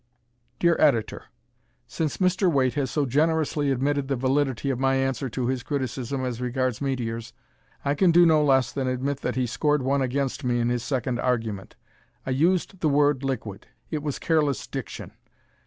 Dear Editor: Since Mr. Waite has so generously admitted the validity of my answer to his criticism as regards meteors, I can do no less than admit that he scored one against me in his second argument. I used the word liquid. It was careless diction.